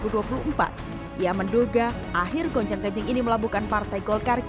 dia menduga akhir gonjang ganjing ini melambungkan partai golkar